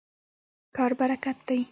کار برکت دی.